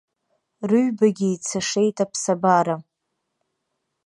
Рыҩбагьы еицашеит аԥсабара.